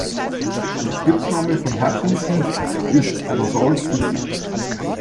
Der Spitzname von Hutchinson ist "The Salt City".